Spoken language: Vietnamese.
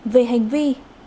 về hành vi